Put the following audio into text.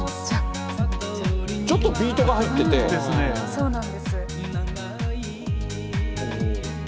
そうなんです。